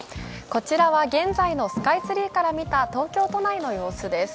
こちらは現在のスカイツリーから見た東京都内の様子です。